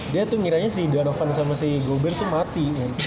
dia tuh ngiranya si donovan sama si gobert tuh mati